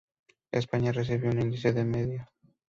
España recibió un índice de medio.